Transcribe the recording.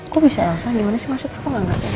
kok bisa elsa dimana sih masuk toko